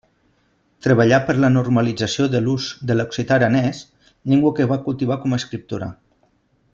Treballà per la normalització de l'ús de l'occità aranès, llengua que va cultivar com a escriptora.